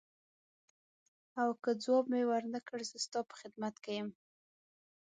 او که ځواب مې ورنه کړ زه ستا په خدمت کې یم.